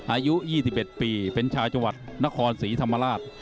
อายุ๒๑ปีเป็นชาวจังหวัดนครศรีธรรมราช